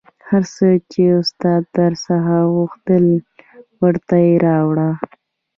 هر څه چې استاد در څخه غوښتل ورته یې راوړه